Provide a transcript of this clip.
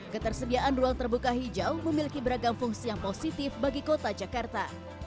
ketersediaan ruang terbuka hijau memiliki beragam fungsi yang positif bagi kota jakarta